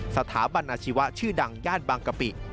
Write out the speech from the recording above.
สถาบันอาชีวะชื่อดังย่านบางกะปิ